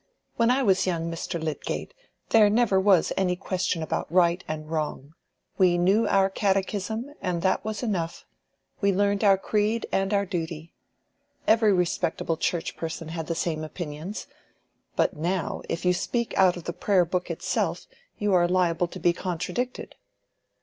When I was young, Mr. Lydgate, there never was any question about right and wrong. We knew our catechism, and that was enough; we learned our creed and our duty. Every respectable Church person had the same opinions. But now, if you speak out of the Prayer book itself, you are liable to be contradicted."